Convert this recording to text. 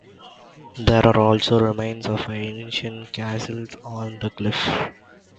There are also remains of ancient castles on the cliffs.